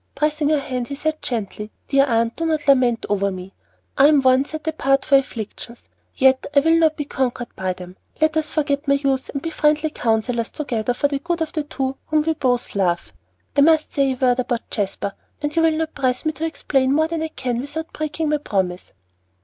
Pressing her hand he said gently, "Dear Aunt, do not lament over me. I am one set apart for afflictions, yet I will not be conquered by them. Let us forget my youth and be friendly counselors together for the good of the two whom we both love. I must say a word about Jasper, and you will not press me to explain more than I can without breaking my promise."